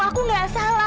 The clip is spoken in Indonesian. aku gak salah